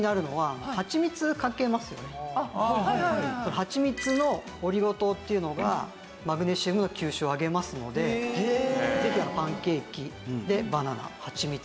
はちみつのオリゴ糖っていうのがマグネシウムの吸収を上げますのでぜひパンケーキでバナナはちみつ。